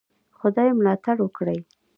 خدای ملاتړ وکړی.